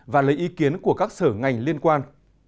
và lấy ý kiến của các sở ngành liên quan